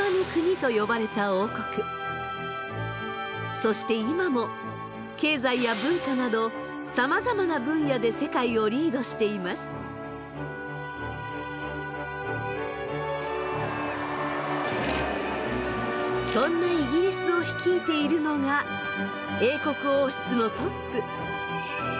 そして今も経済や文化などそんなイギリスを率いているのが英国王室のトップ。